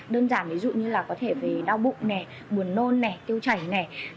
đơn giản ví dụ như là có thể về đau bụng này buồn nôn này tiêu chảy này